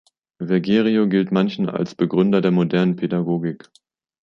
Vergerio gilt manchen als Begründer der modernen Pädagogik.